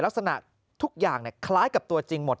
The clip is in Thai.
ลักษณะทุกอย่างคล้ายกับตัวจริงหมด